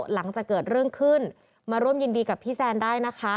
หลังจากเกิดเรื่องขึ้นมาร่วมยินดีกับพี่แซนได้นะคะ